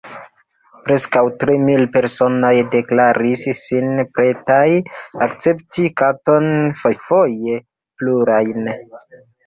Preskaŭ tri mil personoj deklaris sin pretaj akcepti katon – fojfoje plurajn.